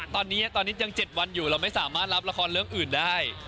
ตอนนี้ตอนนี้ยัง๗วันอยู่เราไม่สามารถรับละครเรื่องอื่นได้